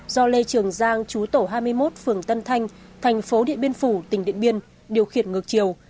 do lê trường giang chú tổ hai mươi một phường tân thanh thành phố điện biên phủ tỉnh điện biên điều khiển ngược chiều